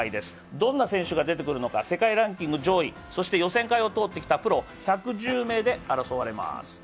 どんな選手が出てくるのか、世界ランキング上位、そして予選会を通ってきたプロ１１０名で争われます。